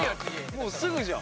もうすぐじゃん。